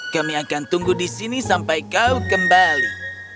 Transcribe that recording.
kami akan tunggu di sini sampai kau kembali